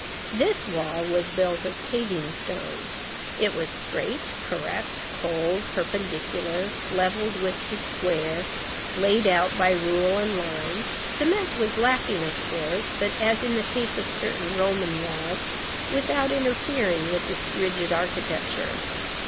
This wall was built of paving stones. It was straight, correct, cold, perpendicular, levelled with the square, laid out by rule and line. Cement was lacking, of course, but, as in the case of certain Roman walls, without interfering with its rigid architecture.